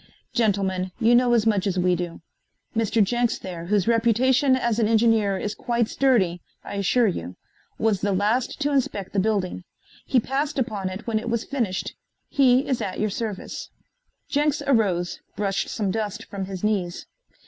Gentlemen, you know as much as we do. Mr. Jenks there, whose reputation as an engineer is quite sturdy, I assure you, was the last to inspect the building. He passed upon it when it was finished. He is at your service." Jenks arose, brushed some dust from his knees.